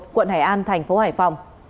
quận hải an thành phố hải phòng